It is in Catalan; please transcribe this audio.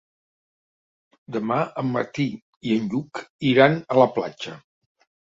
Demà en Martí i en Lluc iran a la platja.